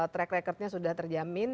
track recordnya sudah terjamin